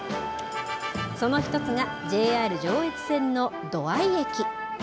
その一つが、ＪＲ上越線の土合駅。